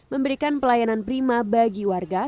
memberikan pelayanan prima bagi warga